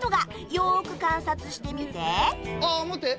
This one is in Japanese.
よく観察してみて待って！